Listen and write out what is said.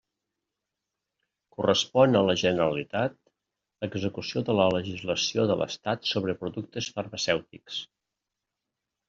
Correspon a la Generalitat l'execució de la legislació de l'Estat sobre productes farmacèutics.